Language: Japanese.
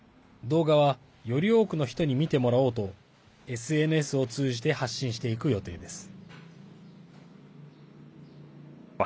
動画は、より多くの人に見てもらおうとＳＮＳを通じて発信していく予定です。